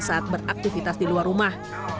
saat beraktivitas di luar rumah